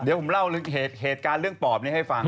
เดี๋ยวผมเล่าเหตุการณ์เรื่องปอบนี้ให้ฟัง